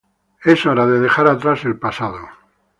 Es hora de dejar atrás el pasado.